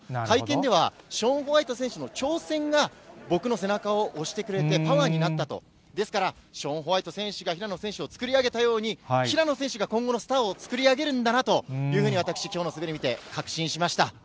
会見では、ショーン・ホワイト選手の挑戦が、僕の背中を押してくれて、パワーになったと、ですから、ショーン・ホワイト選手が平野選手を作り上げたように、平野選手が今後のスターを作り上げるんだなというふうに、私、きのうの滑りを見て、確信しました。